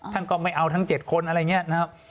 ท่านก็ไม่เอาทั้ง๗คนอะไรอย่างนี้นะครับ